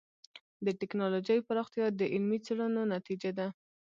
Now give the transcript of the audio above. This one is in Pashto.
د ټکنالوجۍ پراختیا د علمي څېړنو نتیجه ده.